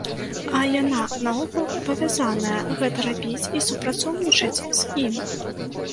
А яна наогул абавязаная гэта рабіць і супрацоўнічаць з ім?